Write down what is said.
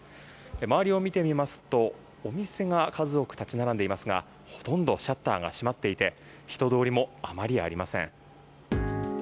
周りを見てみますとお店が数多く立ち並んでいますがほとんどシャッターが閉まっていて人通りもあまりありません。